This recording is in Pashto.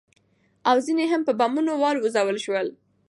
او ځنې هم په بمونو والوزول شول.